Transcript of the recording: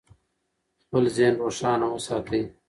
خپل ذهن روښانه وساتئ.